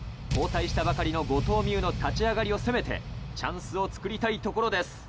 交代したばかりの後藤希友の立ち上がりを攻めてチャンスをつくりたいところです。